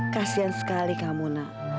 kasian sekali kamu nak